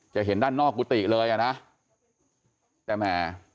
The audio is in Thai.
จะเห็นด้านนอกกูติเลยอะนะ